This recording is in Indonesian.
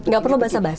nggak perlu basa basa